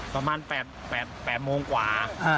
ประมาณ๘โมงกว่า